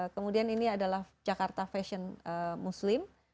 kemudian ini adalah jakarta fashion muslim